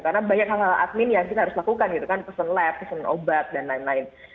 karena banyak hal hal admin yang kita harus lakukan gitu kan pesen lab pesen obat dan lain lain